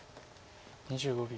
２５秒。